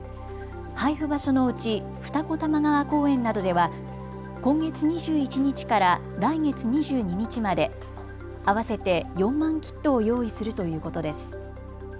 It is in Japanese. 配布場所のうち二子玉川公園などでは今月２１日から来月２２日まで合わせて４万キットを用意するということです。